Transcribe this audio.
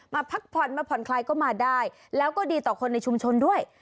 พักผ่อนมาผ่อนคลายก็มาได้แล้วก็ดีต่อคนในชุมชนด้วย